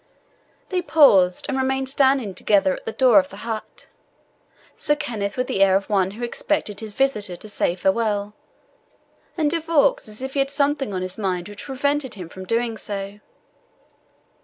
They paused, and remained standing together at the door of the hut Sir Kenneth with the air of one who expected his visitor to say farewell, and De Vaux as if he had something on his mind which prevented him from doing so.